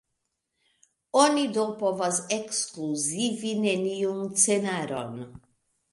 Oni do povas ekskluzivi neniun scenaron.